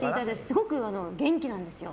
すごく元気なんですよ。